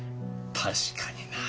確かにな。